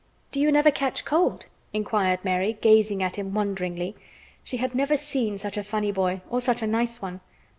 "Do you never catch cold?" inquired Mary, gazing at him wonderingly. She had never seen such a funny boy, or such a nice one.